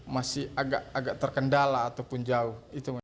masih agak terkendala ataupun jauh